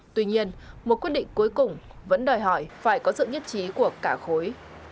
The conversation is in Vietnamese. tuy nhiên một quyết định cuối cùng vẫn đòi hỏi phải có sự nhất trí của cả khối